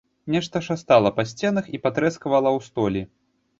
Нешта шастала па сценах і патрэсквала ў столі.